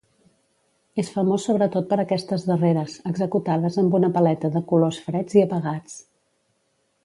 És famós sobretot per aquestes darreres, executades amb una paleta de colors freds i apagats.